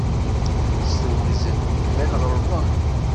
S tewzel, llan ɣelḍen.